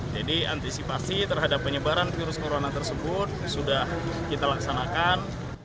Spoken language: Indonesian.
jadi antisipasi terhadap penyebaran virus corona tersebut sudah kita laksanakan